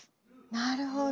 なるほど。